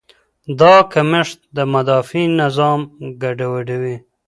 دا کمښت د مدافع نظام ګډوډوي.